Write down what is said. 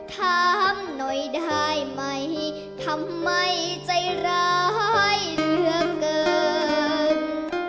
ถามหน่อยได้ไหมทำไมใจร้ายเหลือเกิน